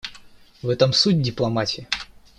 В этом суть дипломатии.